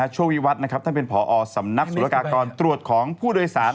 ช่วงวิวัตน์ท่านเป็นภศลหรักกรตรวจของผู้โดยศาล